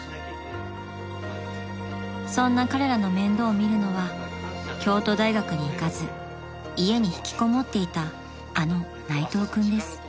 ［そんな彼らの面倒を見るのは京都大学に行かず家に引きこもっていたあの内藤君です］